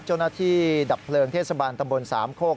เจ้าหน้าที่ดับเพลิงเทศบาลตำบลสามโคก